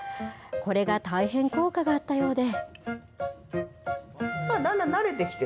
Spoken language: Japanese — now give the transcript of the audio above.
これが大変効果があったようで。